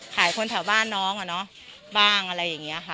คนแถวบ้านน้องอะเนาะบ้างอะไรอย่างนี้ค่ะ